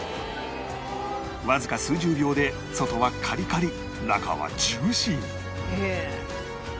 わずか数十秒で外はカリカリ中はジューシーに